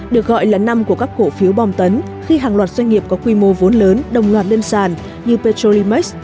được gọi là năm của các cổ phiếu bòm tấn khi hàng loạt doanh nghiệp có quy mô vốn lớn đồng loạt lên sàn như petrolimax